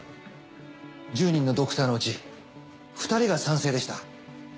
１０人のドクターのうち２人が賛成でした。